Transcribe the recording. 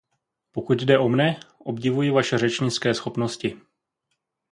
Pokud jde o mne, obdivuji vaše řečnické schopnosti.